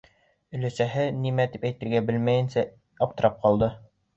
Оләсәһе, нимә тип әйтергә белмәйенсә, аптырап ҡалды.